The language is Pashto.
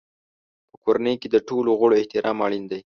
په کورنۍ کې د ټولو غړو احترام اړین دی.